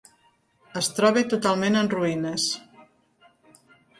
Es troba totalment en ruïnes.